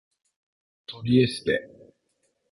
トリエステ